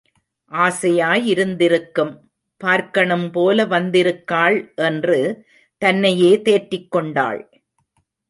ஆசையாய் இருந்திருக்கும் பார்க்கணும் போல வந்திருக்காள் என்று தன்னையே தேற்றிக் கொண்டாள்.